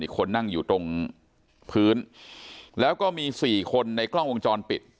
คนนั่งอยู่ตรงพื้นแล้วก็มี๔คนในกล้องวงจรปิด